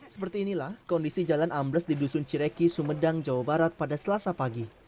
seperti inilah kondisi jalan ambles di dusun cireki sumedang jawa barat pada selasa pagi